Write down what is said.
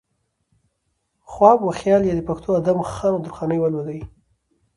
خواب وخيال يا د پښتو ادم خان و درخانۍ ولولئ